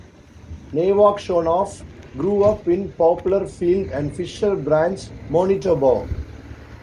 Nevakshonoff grew up in Poplarfield and Fisher Branch, Manitoba.